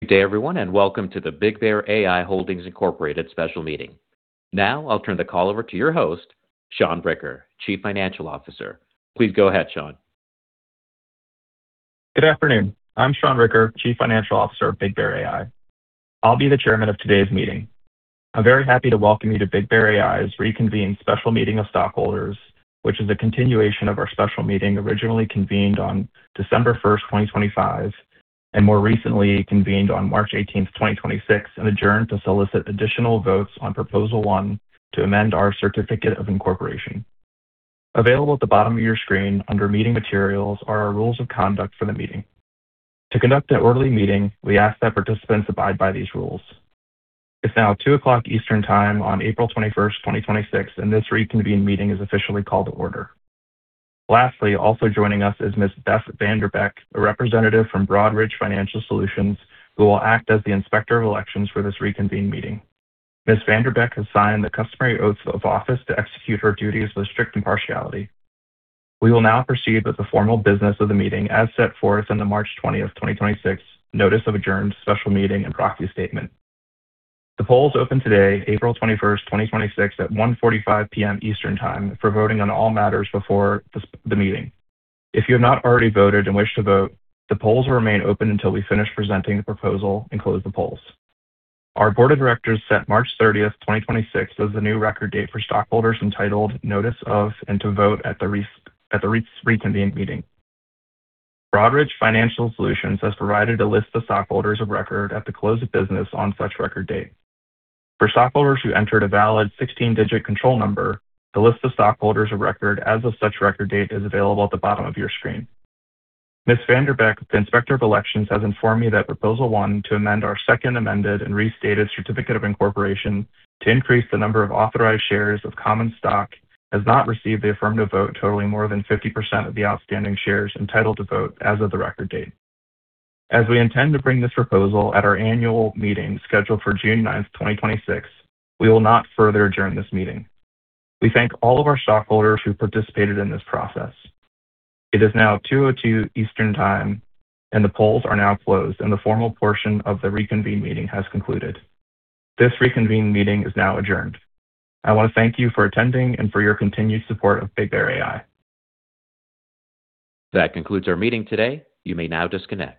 Good day everyone, and welcome to the BigBear.ai Holdings, Inc. special meeting. Now I'll turn the call over to your host, Sean Ricker, Chief Financial Officer. Please go ahead, Sean. Good afternoon. I'm Sean Ricker, Chief Financial Officer of BigBear.ai. I'll be the Chairman of today's meeting. I'm very happy to welcome you to BigBear.ai's reconvened special meeting of stockholders, which is a continuation of our special meeting originally convened on December 1st, 2025, and more recently convened on March 18th, 2026, and adjourned to solicit additional votes on Proposal one to amend our certificate of incorporation. Available at the bottom of your screen under meeting materials are our rules of conduct for the meeting. To conduct an orderly meeting, we ask that participants abide by these rules. It's now 2:00 P.M. Eastern Time on April 21st, 2026, and this reconvened meeting is officially called to order. Lastly, also joining us is Ms. Beth VanDerbeck, a representative from Broadridge Financial Solutions, who will act as the Inspector of Elections for this reconvened meeting. Ms. VanDerbeck has signed the customary oath of office to execute her duties with strict impartiality. We will now proceed with the formal business of the meeting as set forth in the March 20th, 2026 notice of adjourned special meeting and proxy statement. The polls open today, April 21st, 2026 at 1:45 P.M. Eastern Time for voting on all matters before the meeting. If you have not already voted and wish to vote, the polls will remain open until we finish presenting the proposal and close the polls. Our board of directors set March 30th, 2026 as the new record date for stockholders entitled to notice of, and to vote at the reconvened meeting. Broadridge Financial Solutions has provided a list of stockholders of record at the close of business on such record date. For stockholders who entered a valid 16-digit control number, the list of stockholders of record as of such record date is available at the bottom of your screen. Ms. VanDerbeck, the Inspector of Elections, has informed me that proposal one to amend our second amended and restated certificate of incorporation to increase the number of authorized shares of common stock, has not received the affirmative vote totaling more than 50% of the outstanding shares entitled to vote as of the record date. We intend to bring this proposal at our annual meeting scheduled for June 9th, 2026. We will not further adjourn this meeting. We thank all of our stockholders who participated in this process. It is now 2:02 Eastern Time and the polls are now closed and the formal portion of the reconvened meeting has concluded. This reconvened meeting is now adjourned. I want to thank you for attending and for your continued support of BigBear.ai. That concludes our meeting today. You may now disconnect.